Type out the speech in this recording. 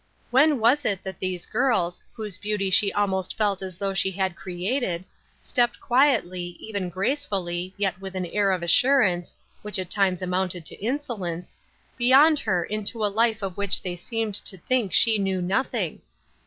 When was it that these girls, whose beauty she almost felt as though she had created, stepped quietly, even gracefully, yet with an air of assurance — which at times amounted to insolence — beyond her into a life of which they seemed to think she knew nothing.